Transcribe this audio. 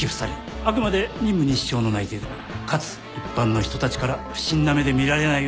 あくまで任務に支障のない程度にかつ一般の人たちから不審な目で見られないようにしてくれ。